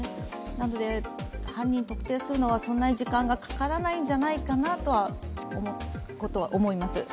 なので、犯人特定するのはそんなに時間がかからないんじゃないかなと思います。